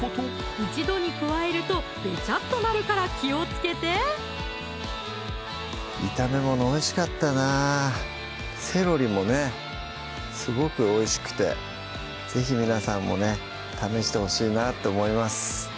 一度に加えるとベチャッとなるから気をつけて炒めものおいしかったなセロリもねすごくおいしくて是非皆さんもね試してほしいなって思います